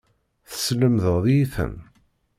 Teslemdeḍ-iyi-ten.